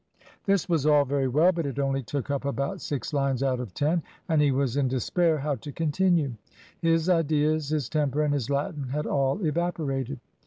This was all very well, but it only took up about six lines out of ten, and he was in despair how to continue. His ideas, his temper, and his Latin had all evaporated.